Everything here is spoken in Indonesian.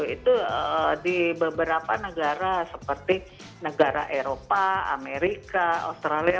itu di beberapa negara seperti negara eropa amerika australia